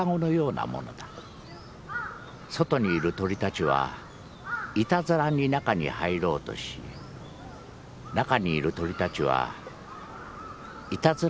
外にいる鳥たちはいたずらに中に入ろうとし中にいる鳥たちはいたずらに出ようとする」